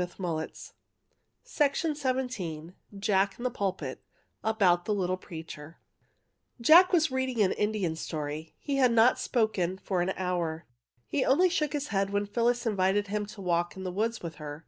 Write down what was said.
55 JACK IN THE PULPIT JACK IN THE PULPIT ABOUT A LITTLE PREACHER Jack was reading an Indian story. He had not spoken for an hour. He only shook his head when Phyllis invited him to walk in the woods with her.